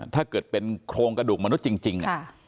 ถ้าเกิดเป็นโครงกระดูกมนุษย์จริง